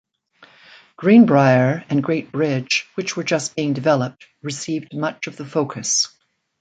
Greenbrier and Great Bridge, which were just being developed, received much of the focus.